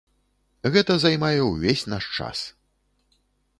Гэта займае ўвесь наш час.